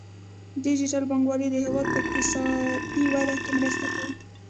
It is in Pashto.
ډیجیټل بانکوالي د هیواد په اقتصادي وده کې مرسته کوي.